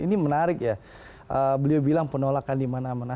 ini menarik ya beliau bilang penolakan dimana mana